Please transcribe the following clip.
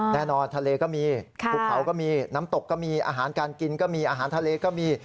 ทะเลก็มีภูเขาก็มีน้ำตกก็มีอาหารการกินก็มีอาหารทะเลก็มี